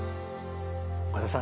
岡田さん